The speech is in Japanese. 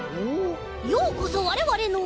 ようこそわれわれの。